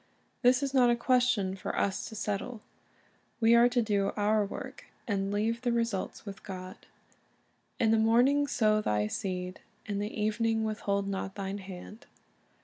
This is not a question for us to settle. We are to do our work, and leave the results with God. "In the morning sow thy seed, and in the evening withhold not thine hand."